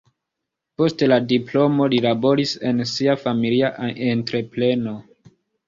Post la diplomo li laboris en sia familia entrepreno.